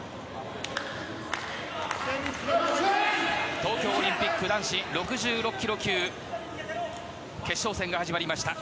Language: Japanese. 東京オリンピック男子６６ｋｇ級決勝戦が始まりました。